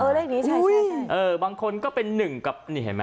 เออเลขนี้ใช่บางคนก็เป็น๑กับ๒๘